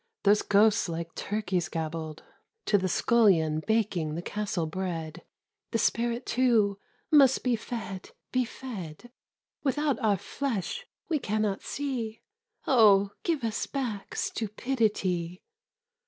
those ghosts like turkeys gabbled To the scullion baking the castle bread —" The spirit, too, must be fed, he fed; Without our flesh we cannot see — Oh, give us back Stupidity